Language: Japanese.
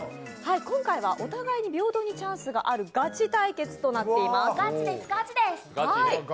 今回はお互いに平等にチャンスがあるガチ対決となっています。